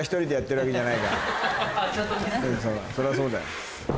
そりゃそうだよ。